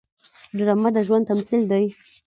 ډرامه د ژوند تمثیل دی